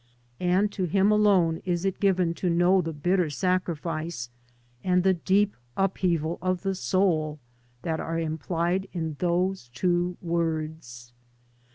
And to him alone is it given to know the bitter sacrifice and the deep upheaval of the soul that are implied in those two words.